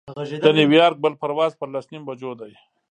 د نیویارک بل پرواز پر لس نیمو بجو دی.